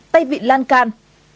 tay vịn lan can